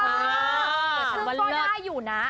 ซึ่งก็ได้อยู่นะ